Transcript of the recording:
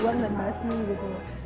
dibuang dan berhasil gitu